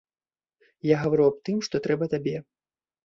Я гавару аб тым, што трэба табе.